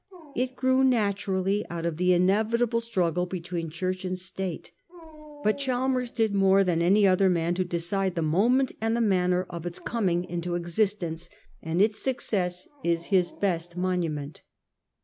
It grew naturally out of the inevitable struggle between Church and State. But Chalmers did more than any other man to decide the moment and the manner of its coming into existence, and its success is his best monument.